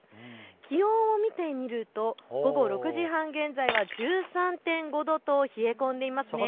気温を見てみると午後６時半現在は１３．５度と冷え込んでいます。